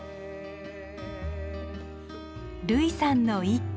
類さんの一句。